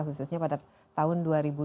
khususnya pada tahun dua ribu dua puluh